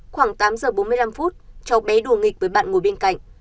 khoảng tám giờ bốn mươi năm phút cháu bé đùa nghịch với bạn ngồi bên cạnh